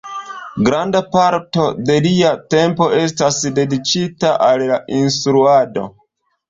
Granda parto de lia tempo estas dediĉita al la instruado.